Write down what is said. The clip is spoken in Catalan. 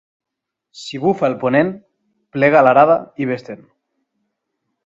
Si bufa el ponent, plega l'arada i ves-te'n.